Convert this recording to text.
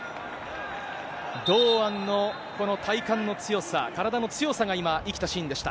堂安のこの体幹の強さ、体の強さが今、生きたシーンでした。